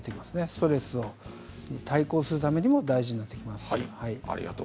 ストレスに対抗するためにも大事になってきます。